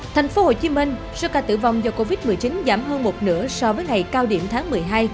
thành phố hồ chí minh số ca tử vong do covid một mươi chín giảm hơn một nửa so với ngày cao điểm tháng một mươi hai